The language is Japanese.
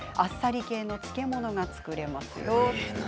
あっさり系の漬物が作れますよ。